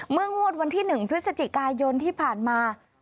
เมื่องวดวันที่หนึ่งพฤศจิกายนที่ผ่านมา